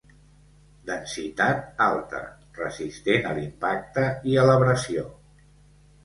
Densitat alta: resistent a l'impacte i a l'abrasió.